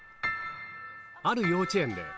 ある幼稚園で。